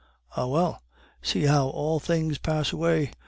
Ah, well! See how all things pass away!